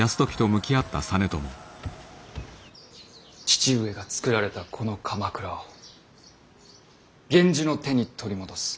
父上がつくられたこの鎌倉を源氏の手に取り戻す。